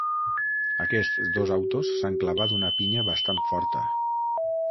Aquests dos autos s'han clavat una pinya bastant forta.